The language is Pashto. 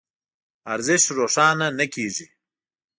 ارزش روښانه نه کېږي.